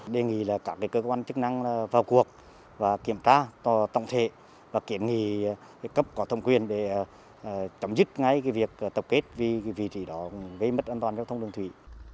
đề nghị là các cơ quan chức năng vào cuộc và kiểm tra tổng thể và kiểm nghị cấp có thông quyền để chấm dứt ngay việc tập kết vì vị trí đó gây mất an toàn cho thông đường thủy